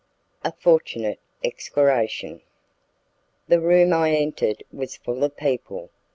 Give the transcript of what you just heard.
A Fortunate Excoriation The room I entered was full of people.